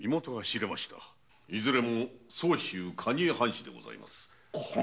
いずれも蟹江藩士でございます。